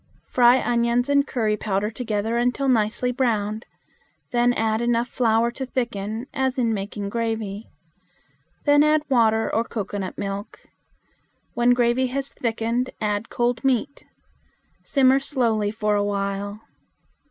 Fry onions and curry powder together until nicely browned. Then add enough flour to thicken, as in making gravy. Then add water or cocoanut milk. When gravy has thickened, add cold meat. Simmer slowly for a while.